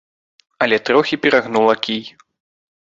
Але трохі перагнула кій.